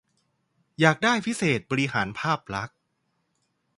อาจได้พิเศษ บริหารภาพลักษณ์